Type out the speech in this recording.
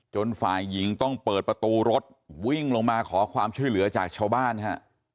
ฝ่ายหญิงต้องเปิดประตูรถวิ่งลงมาขอความช่วยเหลือจากชาวบ้านฮะ